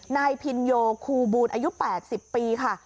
นายพินโยคูบูลอายุ๘๐ปีค่ะ